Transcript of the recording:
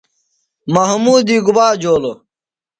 محمودی گُبا جولوۡ ؟